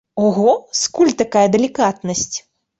Ого, скуль такая далікатнасць?